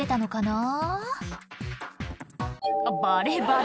あっバレバレ